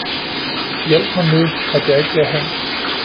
Hjælp mig nu, at jeg ikke bliver hængt!